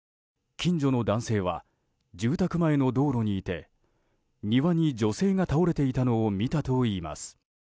近所の男性は住宅前の道路にいて庭に女性が倒れていたのを見たといいます。